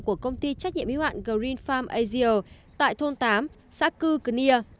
của công ty trách nhiệm hữu hạn green farm asia tại thôn tám xã cư cân nia